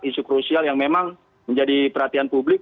isu krusial yang memang menjadi perhatian publik